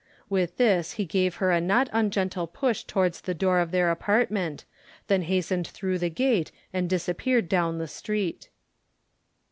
With this he gave her a not ungentle push towards the door of their apartment, then hastened through the gate and disappeared down the street.